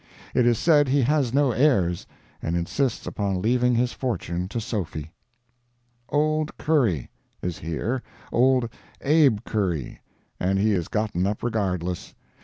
It is said he has no heirs, and insists upon leaving his fortune to Sophy. Old Curry Is here—old Abe Curry. And he is gotten up "regardless."